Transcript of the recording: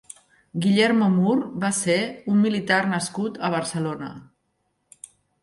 Guillermo Moore va ser un militar nascut a Barcelona.